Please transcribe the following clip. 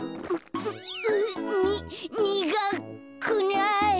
ににがくない。